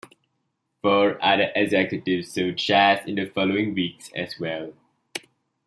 Four other executives sold shares in the following weeks as well.